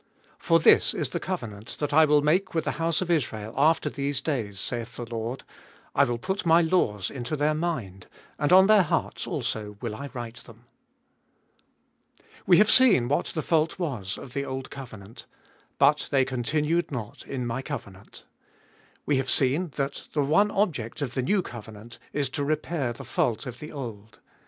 For this is the covenant that I will make with the house of Israel after these days, saith the Lord; I will put my laws Into their mind, And on their hearts also will I write them. WE have seen what the fault was of the old covenant, But they continued not in My covenant. We have seen that the one object of the new covenant is to repair the fault of the old.